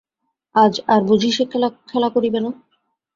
আজ আর বুঝি সে খেলা করিবে না?